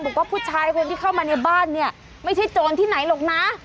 บอกว่าผู้ชายคนที่เข้ามาในบ้านเนี่ยไม่ใช่โจรที่ไหนหรอกนะ